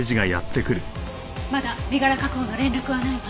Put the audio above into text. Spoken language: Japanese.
まだ身柄確保の連絡はないわ。